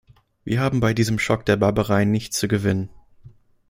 Wir haben bei diesem Schock der Barbareien nichts zu gewinnen.